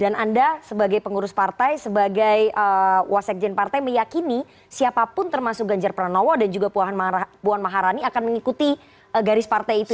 dan anda sebagai pengurus partai sebagai wasekjen partai meyakini siapapun termasuk ganjar pranowo dan juga puan maharani akan mengikuti garis partai itu ya